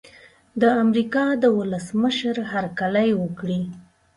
د امریکا د ولسمشر هرکلی وکړي.